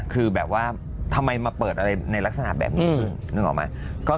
คือแบบว่าทำไมมาเปิดอะไรในลักษณะแบบนี้้งหม่อมะ